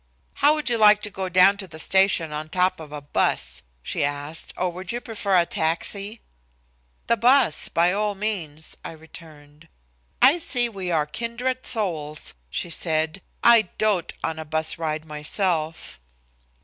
"How would you like to go down to the station on top of a bus?" she asked, "or would you prefer a taxi?" "The bus by all means," I returned. "I see we are kindred souls," she said. "I dote on a bus ride myself."